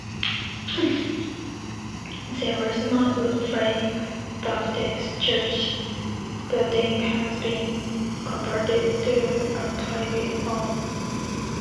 The original wood frame Baptist Church building has been converted to a private home.